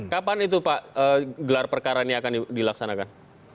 kapan itu pak gelar perkara ini akan dilaksanakan